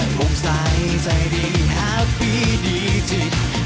ผมใส่ใจดีแฮปปี้ดีจริง